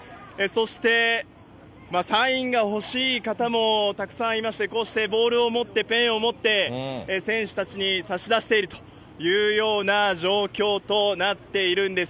そして、サインが欲しい方もたくさんいまして、こうしてボールを持って、ペンを持って、選手たちに差し出しているというような状況となっているんです。